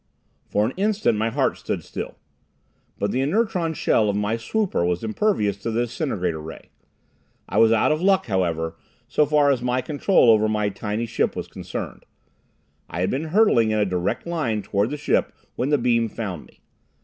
For an instant my heart stood still. But the inertron shell of my swooper was impervious to the disintegrator ray. I was out of luck, however, so far as my control over my tiny ship was concerned. I had been hurtling in a direct line toward the ship when the beam found me.